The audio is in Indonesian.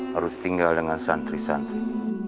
harus tinggal dengan santri santri